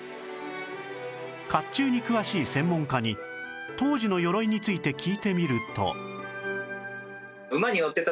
甲冑に詳しい専門家に当時の鎧について聞いてみると